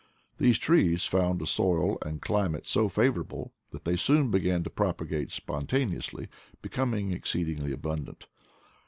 These trees found a soil and climate so favorable, that they soon began to propagate spontaneously, becoming exceedingly abundant.